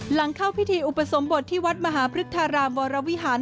หลังเข้าพิธีอุปสมบทที่วัดมหาพฤกษารามวรวิหาร